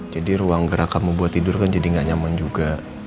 jadi ruang gerak kamu buat tidur kan jadi nggak nyaman juga